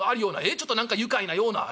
ちょっと何か愉快なようなえ？